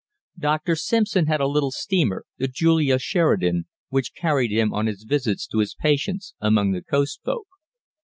Dr. Simpson had a little steamer, the Julia Sheridan, which carried him on his visits to his patients among the coast folk.